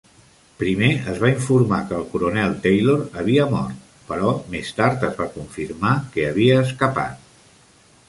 Primer es va informar que el coronel Taylor havia mort, però més tard es va confirmar que havia escapat.